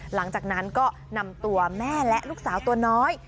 หลังจากนั้นก็นำตัวแม่และลูกสาวตัวน้อย